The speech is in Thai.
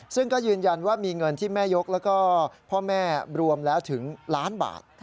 ซึ่งก็ยืนยันว่ามีเงินที่แม่ยกแล้วก็พ่อแม่รวมแล้วถึงล้านบาท